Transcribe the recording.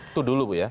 itu dulu ya